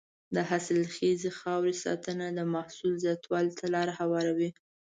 د حاصلخیزې خاورې ساتنه د محصول زیاتوالي ته لاره هواروي.